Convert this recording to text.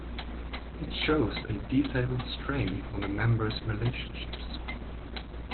It shows a detailed strain on the members relationships.